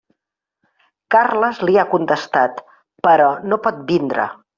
Carles li ha contestat, però no pot vindre.